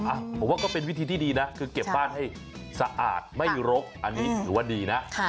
อ่ะผมว่าก็เป็นวิธีที่ดีนะคือเก็บบ้านให้สะอาดไม่รกอันนี้ถือว่าดีนะ